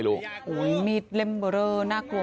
พวกหนูไม่รู้ไม่อยากรู้